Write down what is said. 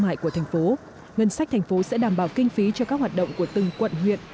hại của thành phố ngân sách thành phố sẽ đảm bảo kinh phí cho các hoạt động của từng quận huyện